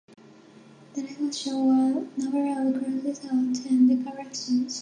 The lyrics show a number of crossings out and corrections.